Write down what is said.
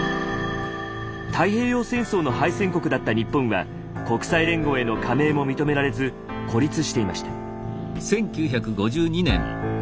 太平洋戦争の敗戦国だった日本は国際連合への加盟も認められず孤立していました。